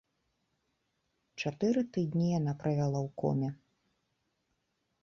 Чатыры тыдні яна правяла ў коме.